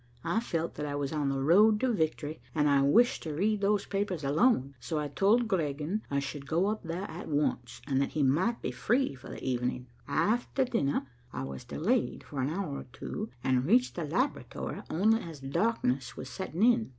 I felt that I was on the road to victory, and I wished to read those papers alone, so I told Griegen I should go up there at once, and that he might be free for the evening. After dinner, I was delayed for an hour or two, and reached the laboratory only as darkness was setting in.